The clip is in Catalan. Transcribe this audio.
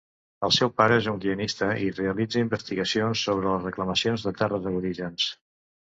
El seu pare és un guionista i realitza investigacions sobre les reclamacions de terres aborígens.